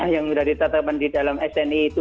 yang sudah ditetapkan di dalam sni itu